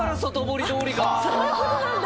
そういうことなんだ。